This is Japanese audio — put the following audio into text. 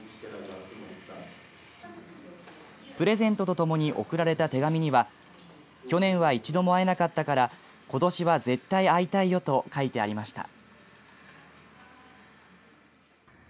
プレゼントと共に送られた手紙には去年は一度も会えなかったからことしは絶対会いたいよと書いてありました。